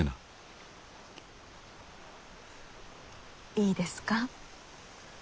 いいですか？